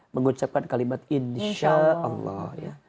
mengucapkan kalimat insya allah